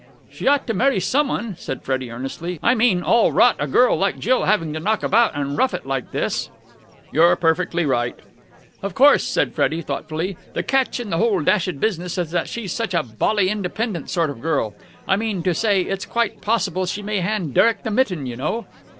"She ought to marry someone," said Freddie earnestly. "I mean, all rot a girl like Jill having to knock about and rough it like this." "You're perfectly right." "Of course," said Freddie thoughtfully, "the catch in the whole dashed business is that she's such a bally independent sort of girl. I mean to say, it's quite possible she may hand Derek the mitten, you know."